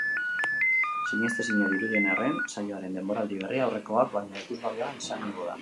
Sinestezina dirudien arren, saioaren denboraldi berria aurrekoak baino ikusgarriagoa izango da.